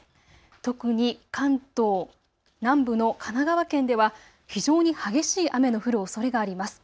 特に関東南部の神奈川県では非常に激しい雨の降るおそれがあります。